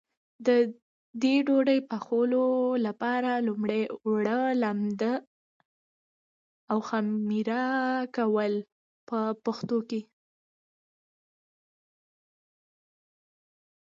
د دې ډوډۍ پخولو لپاره لومړی اوړه لمد او خمېره کوي په پښتو کې.